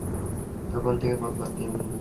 তখন থেকে পরপর তিন বছর ধান চাষ করে তাঁর লোকসান হয়।